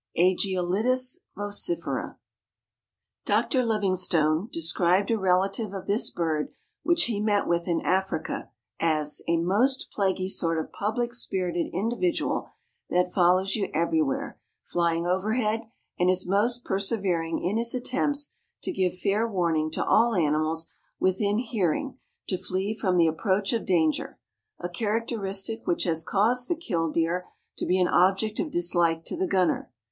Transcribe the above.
(Aegialitis vocifera.) Dr. Livingstone described a relative of this bird which he met with in Africa as "a most plaguey sort of public spirited individual that follows you everywhere, flying overhead, and is most persevering in his attempts to give fair warning to all animals within hearing to flee from the approach of danger," a characteristic which has caused the killdeer to be an object of dislike to the gunner.